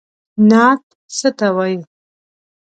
نعت څه ته وايي؟